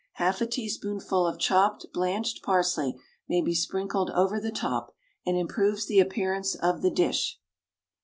Half a teaspoonful of chopped blanched parsley may be sprinkled over the top, and improves the appearance of the dish.